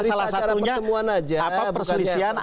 salah satunya apa perselisihan